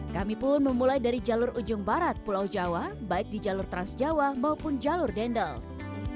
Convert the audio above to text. kami pun memulai dari jalur ujung barat pulau jawa baik di jalur transjawa maupun jalur dendels